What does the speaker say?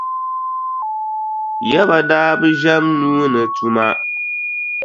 Yaba daa bi ʒɛm nuu ni tuma.